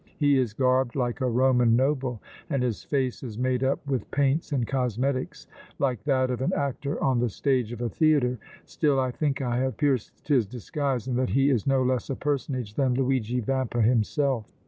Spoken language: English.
He is garbed like a Roman noble and his face is made up with paints and cosmetics like that of an actor on the stage of a theatre. Still, I think I have pierced his disguise and that he is no less a personage than Luigi Vampa himself!"